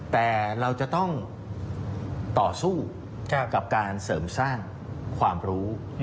แต่เราจะต้องต่อสู้กับการเสริมสร้างความรู้